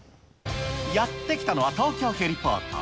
やって来たのは東京ヘリポート。